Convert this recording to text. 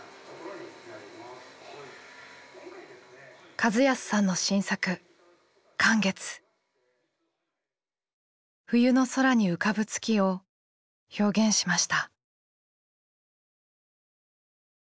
和康さんの新作冬の空に浮かぶ月を表現しました。